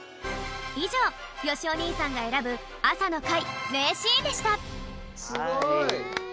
いじょうよしお兄さんが選ぶ朝の会名シーンでしたすごい！